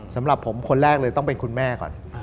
สำหรับผมคนแรกเลยต้องเป็นคุณแม่ก่อน